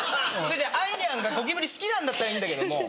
アイニャンがゴキブリ好きなんだったらいいんだけども。